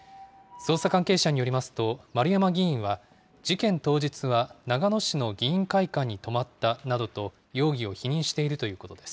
捜査関係者によりますと、丸山議員は、事件当日は長野市の議員会館に泊まったなどと、容疑を否認しているということです。